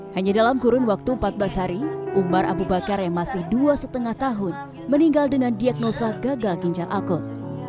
hanya dalam kurun waktu empat belas hari umar abu bakar yang masih dua lima tahun meninggal dengan diagnosa gagal ginjal akut